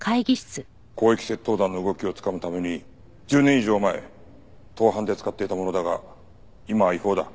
広域窃盗団の動きをつかむために１０年以上前盗犯で使っていたものだが今は違法だ。